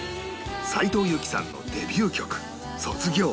斉藤由貴さんのデビュー曲『卒業』